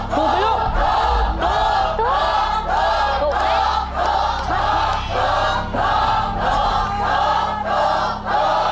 ถูกไหม